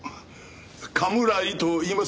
甘村井といいます。